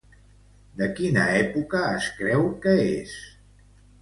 De quina època es creu que és?